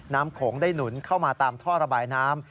โขงได้หนุนเข้ามาตามท่อระบายน้ำ